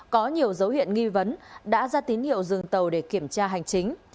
có nhiều dấu hiệu nghi vấn đã ra tín hiệu dừng tàu để kiểm tra hành chính